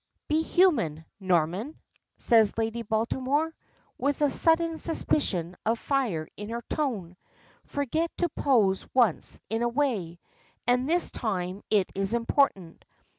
"Be human, Norman!" says Lady Baltimore, with a sudden suspicion of fire in her tone. "Forget to pose once in a way. And this time it is important.